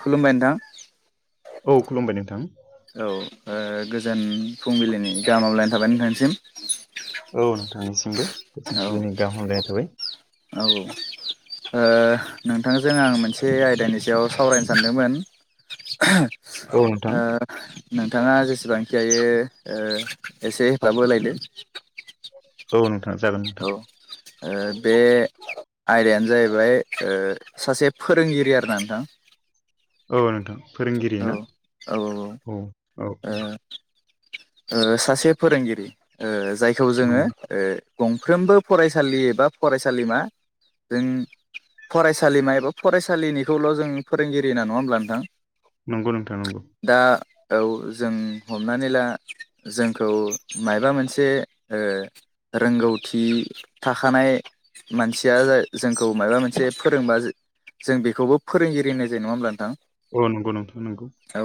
खुलुमबाय नोंथां। औ खुलुमबाय नोंथां। औ गोजोन फुंबिलिनि गाहामाव लायना थाबाय नोंथांनिसिम। औ नोंथांनिसिमबो औ फुबिलिनि गाहामलायनाय थाबाय। औ नोंथां। जों आं मोनसे आयदानि सायाव सावरायनो सानदोंमोन। औ नोंथां ओ नोंथांआ जेसेबांखि हायो एसे हेफाब होलायदो। औ नोंथां जागोन औ नोंथां। ओ बे आयदायानो जाहैबाय ओ सासे फोरोंगिरि आरोना नोंथां। औ नोंथां फोरोंगिरि औ ना औ ओ औ औ औ सासे फोरोंगिरि जायखौ औ जोङो। ओ गंफ्रोमबो फरायसालि एबा फरायसालिमा जों फरायसालिमा एबा फरायसालिनिखौल' जों फोरोंगिरि होनना नङा होमब्ला नोंथां। नंगौ नोंथां नंगौ। दा औ जों हमनानै ला जोंखौ माबा मोनसे ओ रोंगौथि थाखानाय मानसिया जोंखौ माबा मोनसे फोरोंबा जों बेखौबो फोरोंगिरि होननाय जायो नङा होनब्ला नोंथां। अ नंगौ नोंथां नंगौ औ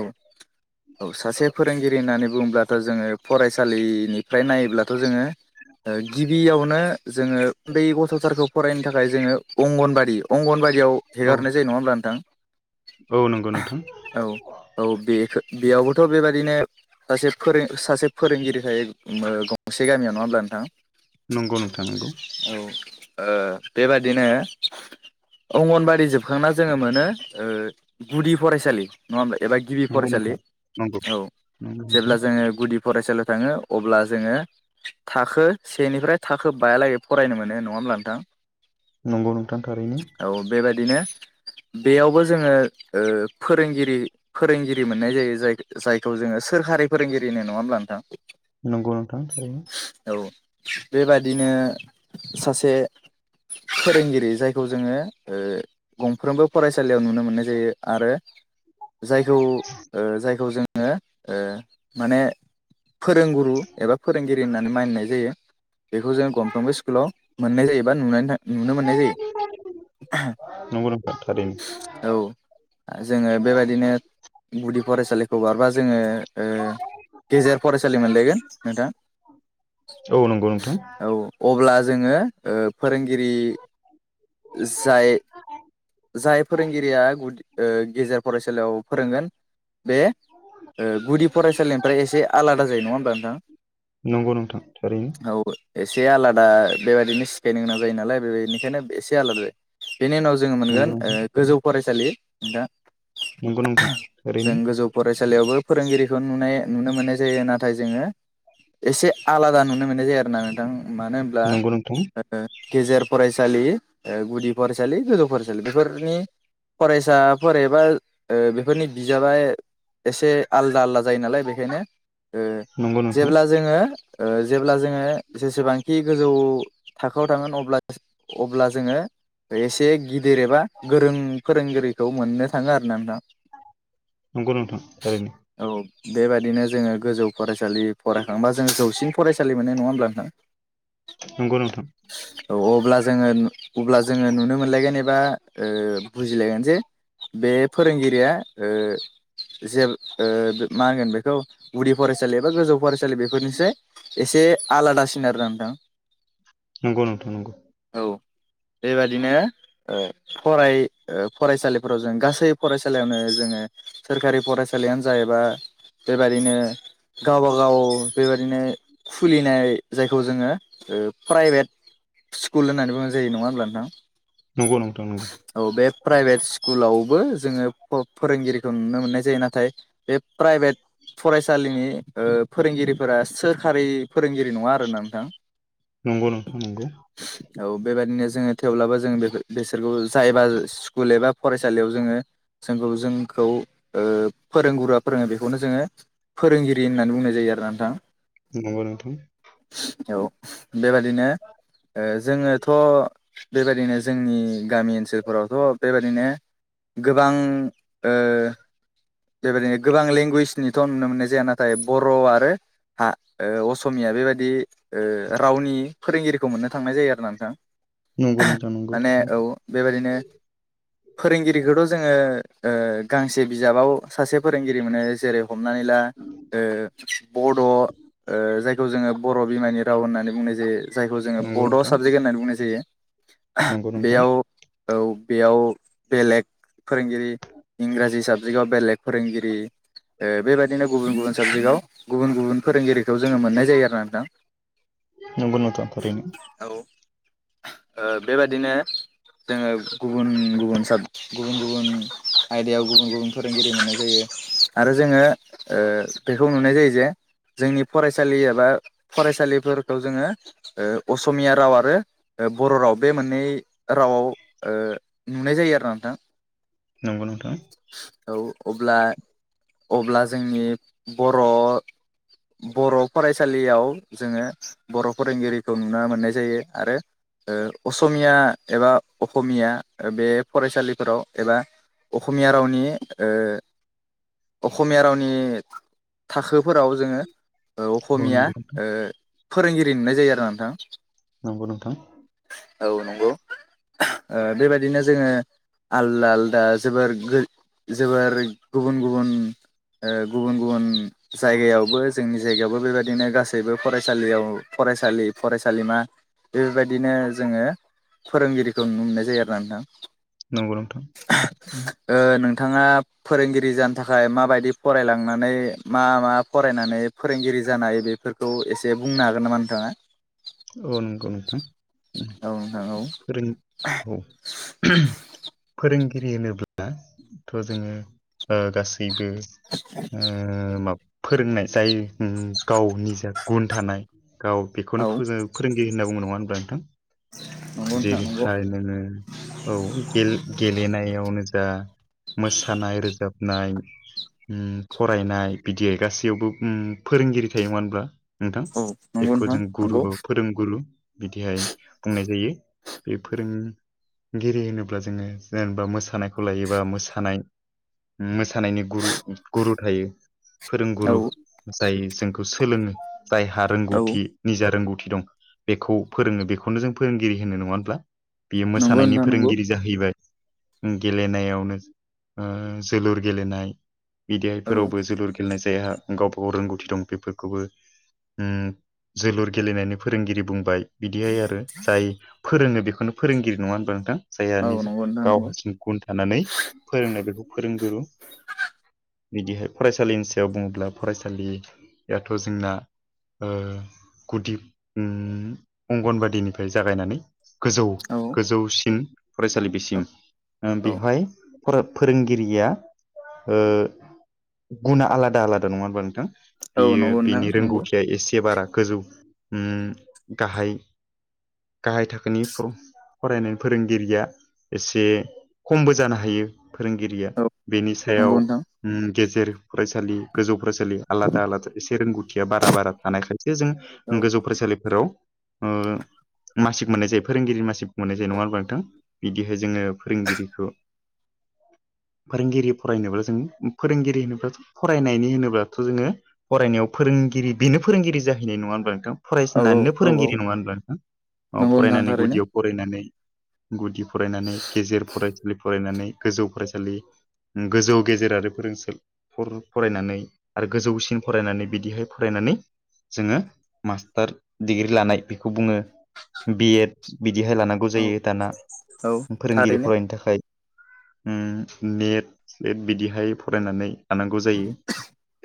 औ सासे फोरोंगिरि होननानै बुङोब्ला दा जोङो फरायसालिनिफ्राय नायोब्लाथ' जोङो गिबियावनो जोङो उन्दै गथ'फोरखौ फरायनो थाखाय जोङो अंगनबादि अंगनबादि बियाव औ हगारनाय ज नङा होनब्ला नोंथां औ नंगौ नोंथां औ औ बेखौ बेयावबोथ' बेबादिनो सासे फोरों सासे फोरोंगिरि थायो गंसे गामियाव नङा होमब्ला नोंथां नंगौ नोंथां नंगौ ओ बेबादिनो अंगनबादि जोबखांना जोङो मोनो गुदि फरायसालि नङा हब्ला एबा गिबि नंगौ फरायसालि नोंथां औ नंगौ नंगौ जेब्ला नोंथां जुदि फरायसालियाव थाङो अब्ला जोङो थाखो सेनिफ्राय थाखो बायालागै फरायनो मोनो नङा हब्ला नोंथां नंगौ नोंथां थारैनो बिदिनो बेयावबो जोङो फोरोंगिरि फोरोंगिरि मोननाय जायो जाय जायखौ जोङो सोरखारि फोरोंगिरिनि नङा होनब्ला नोंथां नंगौ नोंथां थारैनो औ बेबादिनो सासे फोरोंगिरि जायखौ जोङो गंफ्रोमबो फरायसालियाव नुनो मोननाय जायो आरो जायखौ जायखौ जोङो माने फोरोंगुरु एबा फोरोंगिरि होननानै मानिनाय जायो बेखौ जों गंफ्रोमबो स्कुलाव मोननाय जायोबा नुनानै थां नुनो मोननाय जायो नंगौ औ थारैनो जोङो बेबायदिनो गुदि फरायसालिखौ बारबा जोङो ओ गेजेर फरायसालि मोनलायगोन नोंथाङा औ नंगौ नोंथां औ अ अब्ला जोङो ओ फोरोंगिरि जाय जाय फोरोंगिरिया गु ओ गेजेर फरायसालियाव फोरोंगोन बे ओ गुदि फरायसालिनि एसे आलादा जायो नङा होनोमबा नोंथां नंगौ नोंथां थारैनो औ एसे आलादा बेबायाददिनो सिखायनो गोनां जायो नालाय बेनिखायनो एसे आलादा जायो बेनि उनाव जोङो मोनगोन नंगौ नोंथां गोजौ फरायसालि दा नंगौ नोंथां ओरैनो थसालियावबो फोरोंगिरिखौ नुनाय नुनो मोननाय जायो नाथाय जोङो एसे आलादा नुनो मोननाय जायो आरोना नोंथां मानो होनब्ला नंगौ नोंथां ओ गेजेर फरायसालि ओ गुदि फरायसालि गोजौ फरायसालि बेफोरनि फरायसाफोर एबा ओ बेफोरनि बिजाबा एसे आलदा आलदा जायो नालाय बे बेखायनो ओ नंगौ नोंथां जेब्ला जोङो ओ जेब्ला जोङो जेसेबांखि गोजौ थाखोआव थांगोन अब्ला अब्ला जोङो एसे गिदिर एबा गोरों फोरोंगिरिखौ मोननो थाङो आर ना नोंथां नंगौ नोंथां ओरैनो बेबायदिनो जोङो गोजौ फरायसालि फरायखांबा जोङो जौसिन फरायसालि मोननाय नङा होनब्लाानोंथां नंगौ नोंथां अब्ला जोङो अब्ला जोङो नुनो मोनलायगोन एबा ओ बुजिलायगोन जे बे फोरोंगिरिया ओ जे ओ मा होनगोन बेखौ गुदि फरायसालि एबा गोजौ फरायसालि बेफोरनिसै एसे आलादासिन आरो दा नोंथां [inaudible] नंगौ नोंथौ नंगौ औ बेबादिनो ओ फराय ओ फरायसालिफोराव जों गासै फरायसालियावनो जोङो सोरखारि फरायसालियानो जाहैबा बेबादिनो गावबा गाव बेबायदिनो खुलिनाय जायखौ जोङो प्राइभेट स्कुल होननानै बुंनाय जायो नङा होमब्ला नोंथां नंगौ नोंथां नंगौ औ बे प्राइभेट स्कुलाव बो जोङो फोरोंगिरिखौ नुनो मोननाय जायो नाथाय बे प्राइभेट फरायसालिनि ओ फोरोंगिरिफोरा सोरखारि फोरोंगिरि नङा आरोना नोंथां नंगौ नोंथां औ बेबायदिनो जोङो थेवब्लाबो जों बेफोर बेसोरखौ जायबा स्कुल एबा फरायसालियाव जोङो जोंखौ जोंखौ ओ फोरोंगुरुआ फोरोङो बेखौनो जोङो फोरोंगिरि होननानै बुंनाय जायो आरो ना नोंथां नोंगौ नोंथां औ बेबादिनो ओ जोङोथ' बेबादिनो जोंनि गामि ओनसोलफोरावथ' बेबादिनो गोबां ओ बेबायदिनो गोबां लेंगुवेजनिथ' नुनो मोननाय जाया नाथाय बर' आरो हा ओ असमिया बेबायदि ओ रावनि फोरोंगिरिखौ मोननो थांनाय जायो आरो ना नोंथां नंगौ नंगौ नोंथां माने औ बेबायदिनो फोरोंगिरिखौथ' जोङो ओ गांसे बिजाबाव सासे फोरोंगिरि माने जेरै हमनानै ला ओ बड' ओ जाय खौ जोङो बर' बिमानि राव होननानै बुंनाय जायो जायखौ जोङो नंगौ बड' नोंथां साबजेक्ट होननानै बुंनाय जायो नंगौ नंगौ नोंथां बेयाव औ बेयाव बेलेग फोरोंगिरि इंराजि साबजेक्टआव बेलेग फोरोंगिरि ओ बेबायदिनो गुबुन गुबुन साबजेक्टआव गुबुन गुबुन फोरोंगिरिखौ जोङो मोननाय जायो आरो ना नोंथां नंगौ नोंथां नंगौ नोंथां थारैनो औ ओ बेबादिनो जोङो गुबुन गुबुन साब गुबुन गुबुन आयदायाव गुबुन गुबुन फोरोंगिरि मोननाय जायो आरो जोङो ओ बेखौ नुनाय जायो जे जोंनि फरायसालि एबा फरायसालिफोरखौ जोङो असमिया राव आरो ओ बर' राव बे मोननै रावाव नुनाय जायो आरो ना नोंथां नंगौ नोंथां औ अब्ला अब्ला जोंनि बर' बर' फरायसालियाव जोङो बर' फोरोंगिरिखौ नुनो मोननाय जायो आरो ओ असमिया एबा अखमिया ओ बे फरायसालिफोराव एबा अखमिया रावनि ओ अखमिया रावनि थाखो फोराव जोङो ओ औ अखमिया नंगौ नोंथां ओ फोरोंगिरि नुनाय जायो आरो ना नोंथां नंगौ नोंथां औ नंगौ। ओ बेबायदिनो जोङो आलदा आलदा जोबोर गो जोबोर गुबुन गुबुन ओ गुबुन गुबुन जायगायावबो जोंनि जायगायावबो बेबायदिनो गासैबो फरायसालियाव फरायसालि फरायसालिमा बेफोरबायदिनो जोङो फोरोंगिरिखौ नुनो मोननाय जायो आरो ना नोंथां नंगौ नंथां ा फोरोंगिरि जानो थाखाय माबायदि फरायलांनानै मा मा फरायनानै फोरोंगिरि जा जानो हायो बेफोरखौ एसे बुंनो हागोन नामा नोंथाङा औ नंगौ नोंथां औ फोरों औ फोरों रि होनोब्ला थ' जोङो गासै बेबो ओ मा फोरोंनाय जाय उम गावनि जा गुन थानाय गाव [unintelligible] फोरोंगिरि होनना बुङो नङा होनब्ला नोंथां नोंथां औ जेरैहाय नोङो औ गेलेनायावनो जा मोसानाय रोजाब नाय फरायनाय बिदि गासैयावबो फोरोंगिरि थायोमोनब्ला औ नंगौ नोंथां गुरु नंगौ फोरोंगुरु बिदिहाय बुंनाय जायो बे फोरों गिरि होनोब्ला जोङो जेनेबा मोसानायखौ लायोबा मोसानाय [unintelligible] थानायनि गुरु गुरु थायो औ नंगौ नोंथां नंगौ औ फोरोंगुरु जाय जोंखौ सोलोङो जायहा औ रोंगथि निजा रोंगथि दं बेखौ फोरोङो बेखौनो जों फोरोंगिरि होनो नङा होनब्ला बेयो नंगौ मोसानायनि नोंथां नंगौ फोरोंगिरि जाहैबाय गेलेनायावनो जोलुर गेलेनाय औ बिदेहायफोरावबो जोलुर गेलेनाय जायो जायहा गावबा गाव रोंगथि दं बेफोरखौबो जोलुर गेलेनायनि फोरोंगिरि बुंबाय बिदिहाय आरो जाय फोरोङो बेखौनो फोरोंगिरि नङा होनबा नोंथां औ जायहानि नंगौ नोंथां गाव नंगौ हारसिं गुन थानानै फोरोंनाय बेखौ फोरोंगुरु बिदिहाय फरायसालिनि सायाव बुङोब्ला फरायसालियाथ' जोंना ओ गुदि अंगनबादिनिफ्राय जागायनानै गोजौ औ गोजौसिन फरायसालि बिसिम औ बेवहाय फोरोंगिरिया ओ गुना आलादा आलादा नङा होमबा औ बियो नंगौ नोंथां बेनि नंगौ रोंगथिया एसे बारा गोजौ उ गाहाय गाहाय थाखोनि फरायनाय फोरोंगिरिया एसे खमबो जानो हायो फोरोंगिरिया औ बेनि सायाव नंगौ नोंथां उ गेजेर फरायसालि गोजौ फरायसालि आलादा आलादा एसे रोंगथिया बारा बारा थानायखायसो जों औ गोजौ फरायसालिफोराव मासिक मोननाय जायो फोरोंगिरि मासिक मोननाय जायो नङा होनबा नोंथां बिदिहाय जोङो फोरोंगिरिखौ लांदां फोरोंगिरि फरायनोब्ला जों फोरोंगिरि होनोब्ला फरायनायनि होनोब्लाथ' जोङो फरायनायाव फोरोंगिरि बेनो फोरोंगिरि जाहैनाय नङा होमबा औ औ फरायफिननानैनो औ औ फोरोंगिरि नङा होनबा नोंथां नंगौ नोंथां फरायनानै थारैनो गुदियाव फरायनानै गुदि फरायनानै गेजेर फरायसालि फरायनानै गोजौ फरायसालि गोजौ गेजेर आरो फोरोंसाफोर फरायनानै आरो गोजौसिन फरायनानै बिदिहाय फरायनानै जोङो मास्टार डिग्रि लानाय बेखौ बुङो बि एड बिदिहाय लानांगौ औ जायो दाना औ फोरोंगिरि थारैनो फरायनो थाखाय ओम नेट बिदिहाय फरायनानै थानांगौ जायो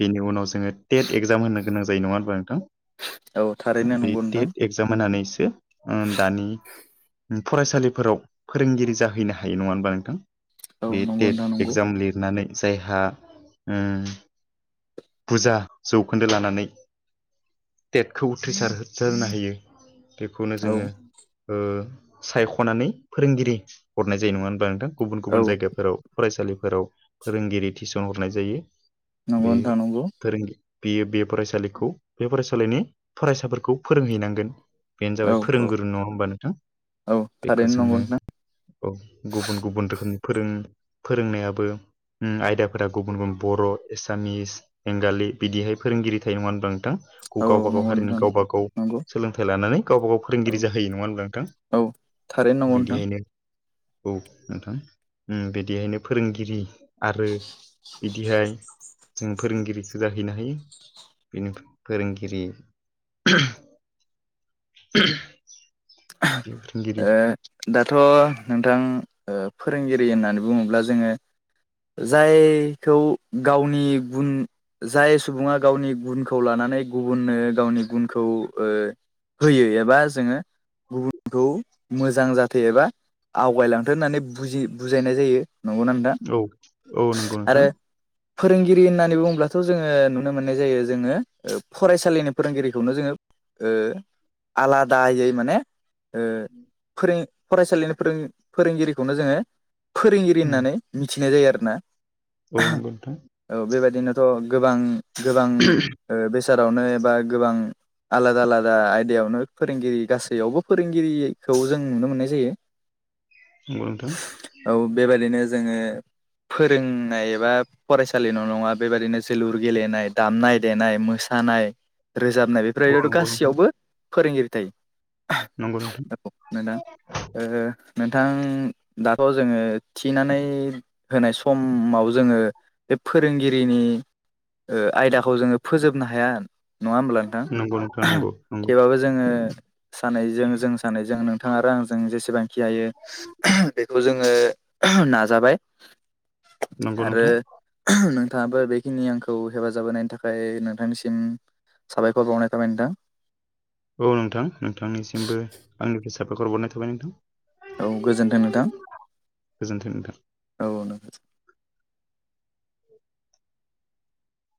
बेनि उनाव जोङो टेट एक्जाम होनो गोनां जायो नङा होनब्ला औ थारैनो नोंथां बे नंगौ नोंथां टेट एक्जाम होनानैसो दानि फरायसालिफोराव फोरोंगिरि जाहैनो हायो नङा होनबा नोंथां औ बे नंगौ टेट नोंथां नंगौ एगजाम लिरनानै जायहा ओ बुरजा जौखोन्दो लानानै टेटखौ उथ्रिसार जानो हायो बेखौनो औ जोङो ओ सायख'नानै फोरोंगिरि हरनाय जायो नङा होनबा नोंथां गुबुन औ गुबुन जायगाफोराव फरायसालिफोराव फोरोंगिरि थिसन हरनाय जायो नंगौ बेयो नोंथां नंगौ फोरोंगिरि बियो बे फरायसालिखौ बे फरायसालिनि फरायसाफोरखौ फोरोंहैनांगोन बेनो औ जाबाय औ फोरोंगुरु नङा होमबा नोंथां औ बेखौ थारैनो नंगौ जोङो नोंथां औ गुबुन गुबुन रोखोम फोरों फोरोंनायाबो आयदाफोरा गुबुन गुबुन बर' एसामिस बेंगालि बिदिहाय फोरोंगिरि थायो नङा होनबा नोंथां औ गावबा औ गाव नंगौ हारिनि नोंथां गावबा गाव नंगौ सोलोंथाइ लानानै गावबा गाव औ फोरोंगिरि जाहोयो नङा होनब्ला नोंथां औ थारैनो नंगौ नोंथां बिदिहायनो औ नोंथां ओम बिदिहायनो फोरोंगिरि आरो बिदिहाय जों फोरोंगिरिखौ जाहैनो हायो बेनिफ्राय फोरोंगिरि आ फोरोंगिरि दाथ' नोंथां ओ फोरोंगिरि होननानै बुङोब्ला जोङो जायखौ गावनि गुन जाय सुबुङा गावनि गुनखौ लानानै नानै गुबुननो गावनि गुनखौ ओ होयो एबा जोङो गुबुनखौ मोजां जाथों एबा आवगायलांथों होननानै बुजि बुजायनाय जायो नंगौ ना नोंथां औ औ नंगौ आरो नोंथां फोरोंगिरि होननानै बुङोब्लाथ' जोङो नुनो मोननाय जायो जोङो फरायसालिनि फोरोंगिरिखौनो जोङो ओ आलादायै माने ओ फोरों फरायसालिनि फोरों फोरोंगिरिखौनो जोङो फोरोंगिरि उम होननानै मिथिनाय जायो आरोना औ नंगौ नोंथां औ बेबायदिनो अ गोबां गोबां ओ बेस रावनो एबा गोबां आलादा आलादा आयदायावनो फोरोंगिरि गासैयावबो फोरोंगिरि खौ जों नुनो मोननाय जायो नंगौ नोंथां औ बेबायदिनो जोङो फोरोंनाय एबा फरायसालि न नङा बेबायाददिनो जोलुर गेलेनाय दामनाय देनाय मोसानाय नाय रोजाबनाय औ बेफोरबायदिथ' नंगौ नोंथां गासैयावबो फोरोंगिरि थायो नंगौ नोंथां औ मेदाम ओ नोंथां दाथ' जोङो थिनानै होनाय समाव जोङो फोरोंगिरिनि ओ आयदाखौ जोङो फोजोबनो हाया नङा होमब्ला नोंथां। नंगौ नोंथां नंगौ नंगौ थेवब्लाबो जोङो सानैजों जों सानैजों नोंथां आरो आंजों जेसेबांखि हायो बेखौ जोङो नाजाबाय नंगौ आरो नोंथां नोंथाङाबो बेखिनि आं खौ हेफाजाब होनायनि थाखाय नोंथांनिसिम साबायखर बावनाय थाबाय नोंथां। औ नोंथां नोंथांनिसिमबो आंनिफ्राय साबायखर हरनाय थाबाय नोंथां। औ गोजोन्थों नोंथां। गोजोन्थों नोंथां औ औ नों